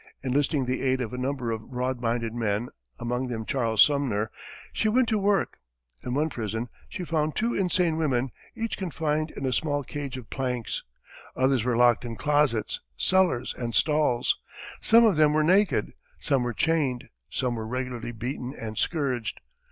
Enlisting the aid of a number of broad minded men, among them Charles Sumner, she went to work. In one prison, she found two insane women, each confined in a small cage of planks; others were locked in closets, cellars, and stalls; some of them were naked, some were chained, some were regularly beaten and scourged.